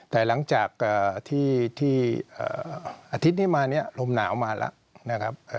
แต่หลังจากที่อาทิตย์นี้มาเนี่ยลมหนาวมาแล้วนะครับ